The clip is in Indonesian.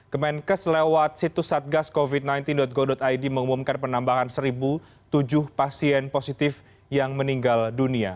kemenkes lewat situs satgascovid sembilan belas go id mengumumkan penambahan satu tujuh pasien positif yang meninggal dunia